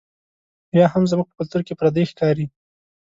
یا هم زموږ په کلتور کې پردۍ ښکاري.